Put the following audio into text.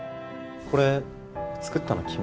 これ作ったの君？